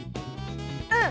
うん！